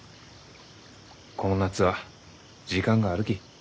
この夏は時間があるき。